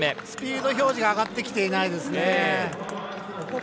スピードが表示が上がってきてないですね。